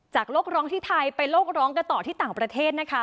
โลกร้องที่ไทยไปโลกร้องกันต่อที่ต่างประเทศนะคะ